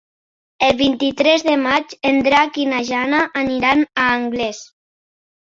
El vint-i-tres de maig en Drac i na Jana aniran a Anglès.